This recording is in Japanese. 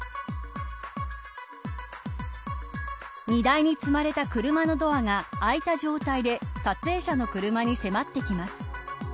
荷台に積まれた車のドアが開いた状態で撮影者の車に迫ってきます。